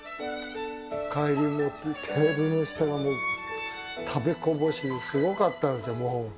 帰りのテーブルの下が、もう食べこぼし、すごかったんですよ、もう。